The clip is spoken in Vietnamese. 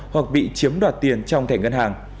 hoặc bị chiếm đoạt tiền trong thẻ ngân hàng